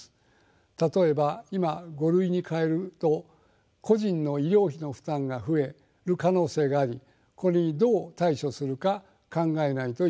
例えば今「５類」に変えると個人の医療費の負担が増える可能性がありこれにどう対処するか考えないといけません。